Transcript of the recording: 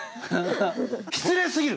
失礼すぎる！